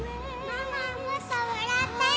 ママもっと笑って！